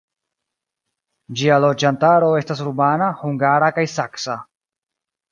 Ĝia loĝantaro estas rumana, hungara kaj saksa.